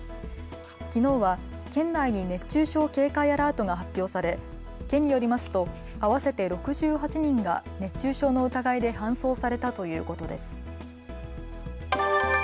きのうは県内に熱中症警戒アラートが発表され県によりますと合わせて６８人が熱中症の疑いで搬送されたということです。